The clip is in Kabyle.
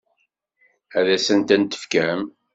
Ad asen-tent-tefkem?